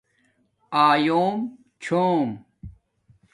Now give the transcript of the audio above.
آلیوم چُھوم